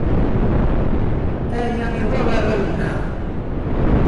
Aya iḍurr arraw-nneɣ.